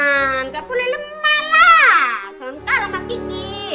sengkar sama kiki